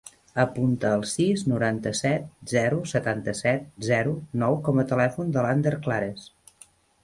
Apunta el sis, noranta-set, zero, setanta-set, zero, nou com a telèfon de l'Ander Clares.